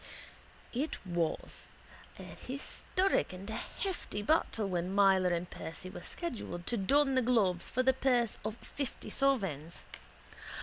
It was a historic and a hefty battle when Myler and Percy were scheduled to don the gloves for the purse of fifty sovereigns.